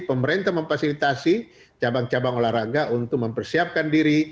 pemerintah memfasilitasi cabang cabang olahraga untuk mempersiapkan diri